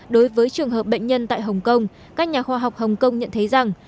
đối với trường hợp bệnh nhân tại hồng kông các nhà khoa học hồng kông nhận thấy rằng